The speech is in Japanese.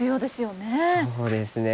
そうですね。